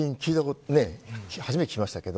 初めて聞きましたけど。